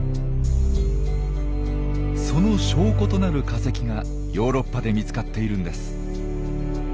その証拠となる化石がヨーロッパで見つかっているんです。